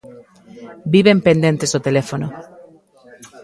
Viven pendentes do teléfono.